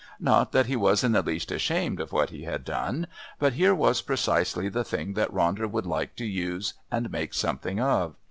Not that he was in the least ashamed of what he had done, but here was precisely the thing that Ronder would like to use and make something of.